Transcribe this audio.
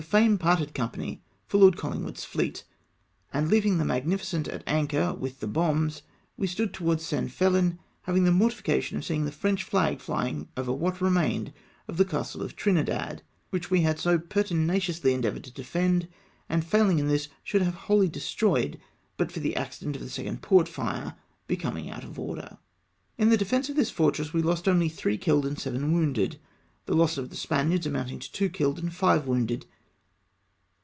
Fame parted company for Lord Collingwood's fleet ; and leaving tlie Magnijicent at anchor with the bombs, we stood towards San Fehn, having the mortification of seeing the French flag flying over what remained of the Castle of Trinidad, which we had so pertinaciously endeavoured to defend, and failing in this, should have wholly destroyed but for the accident of the second portfire becoming out of order. In the defence of this fortress, Ave lost only three killed and seven wounded ; the loss of the Sj^aniards amounting to two killed and five wounded.